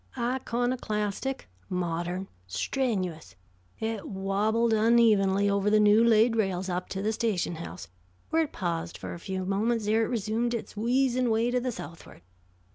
Iconoclastic, modern, strenuous, it wabbled unevenly over the new laid rails up to the station house, where it paused for a few moments ere it resumed its wheezing way to the southward.